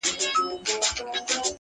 زه د ازل ښکاري خزان پر زړه ویشتلی یمه٫